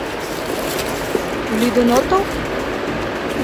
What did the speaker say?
Лӱдын отыл?